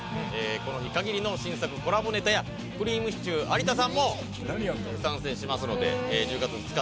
この日限りの新作コラボネタやくりぃむしちゅー有田さんも参戦しますので１０月２日